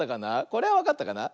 これはわかったかな？